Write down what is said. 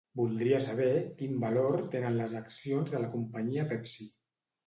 Voldria saber quin valor tenen les accions de la companyia Pepsi.